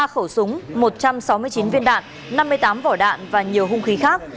ba khẩu súng một trăm sáu mươi chín viên đạn năm mươi tám vỏ đạn và nhiều hung khí khác